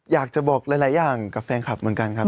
อยากจะบอกหลายอย่างกับแฟนคลับเหมือนกันครับ